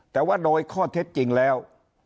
แต่ว่าโดยข้อเท็จจริงแล้ว